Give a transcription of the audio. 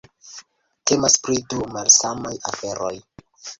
Temas pri du malsamaj aferoj.